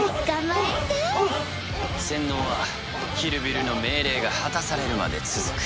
洗脳はヒルビルの命令が果たされるまで続く。